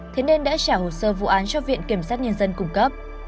thế nên đã trả hồ sơ vụ án cho viện kiểm sát nhân dân cung cấp